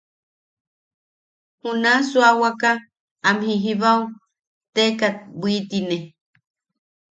Juna suawaka am jijibao teekat bwitine.